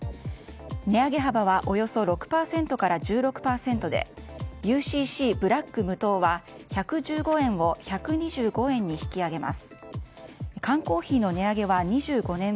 値上げ幅はおよそ６％から１６％でＵＣＣＢＬＡＣＫ無糖は１１５円を１２５円に引き上げます。